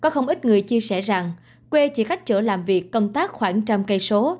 không ít người chia sẻ rằng quê chỉ khách chỗ làm việc công tác khoảng trăm cây số